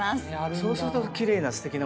そうすると奇麗なすてきな。